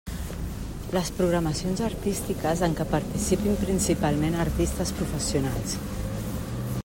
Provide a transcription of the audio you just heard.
Les programacions artístiques en què participin principalment artistes professionals.